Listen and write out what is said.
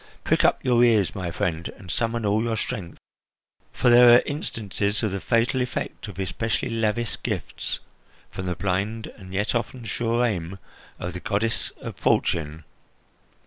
Prick up your ears, my friend, and summon all your strength, for there are instances of the fatal effect of especially lavish gifts from the blind and yet often sure aim of the goddess of Fortune.